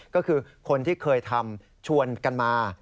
ก็คือคนที่เคยทำชวนกันมา